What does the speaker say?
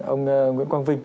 ông nguyễn quang vinh